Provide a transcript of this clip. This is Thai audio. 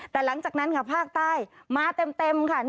แต่หลังจากนั้นค่ะภาคใต้มาเต็มค่ะ